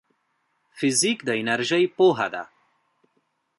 فزیک د انرژۍ پوهنه ده